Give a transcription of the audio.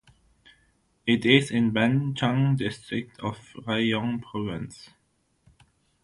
It is in Ban Chang District of Rayong Province.